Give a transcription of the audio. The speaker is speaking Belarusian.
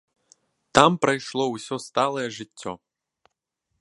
Там прайшло ўсё сталае жыццё.